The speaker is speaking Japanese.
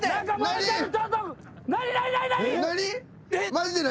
マジで何？